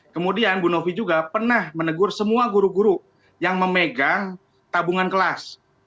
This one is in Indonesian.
kemudian bu novi juga pernah menegur semua guru guru yang memegang tabungan kelas